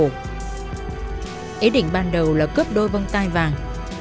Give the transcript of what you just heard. ấy đỉnh ban đầu là cướp đôi bông tai vàng